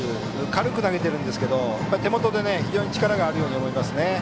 軽く投げているんですけど手元で非常に力があるように思いますね。